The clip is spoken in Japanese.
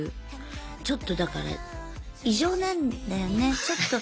ちょっとだから異常なんだよねちょっと。